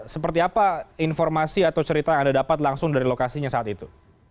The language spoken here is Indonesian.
seperti apa informasi atau cerita yang anda dapat langsung dari lokasinya saat itu